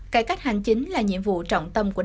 cải cách hành chính là nhiệm vụ trọng tâm của tỉnh